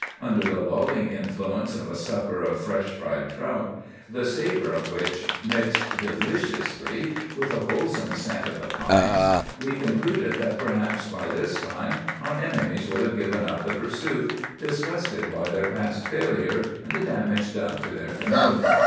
Under the lulling influence of a supper of fresh fried trout, the savor of which mixed deliciously with the wholesome scent of the pines, we concluded that perhaps by this time our enemies would have given up the pursuit, disgusted by their past failure and the damage done to their canoe.